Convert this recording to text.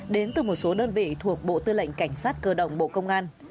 đến từ một số đơn vị thuộc bộ tư lệnh cảnh sát cơ động bộ công an